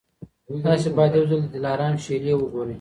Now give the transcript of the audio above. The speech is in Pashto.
تاسي باید یو ځل د دلارام شېلې وګورئ.